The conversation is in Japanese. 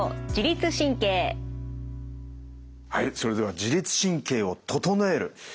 はいそれでは自律神経を整える。